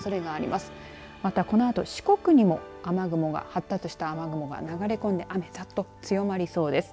また、このあと四国にも雨雲が発達した雨雲が流れ込んで雨、ざっと強まりそうです。